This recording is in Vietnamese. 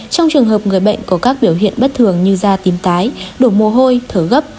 trong trường hợp người bệnh có các biểu hiện bất thường như da tím tái đột mồ hôi thở gấp